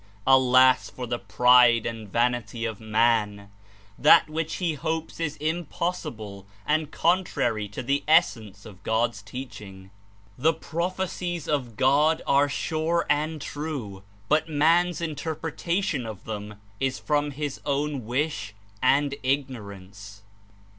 Alas for the pride and vanity of man! That which he hopes Is impossible and contrary to the essence of God's teaching. The prophecies of God are sure and true, but man's Interpretation of them is from his own wish and Ignorance.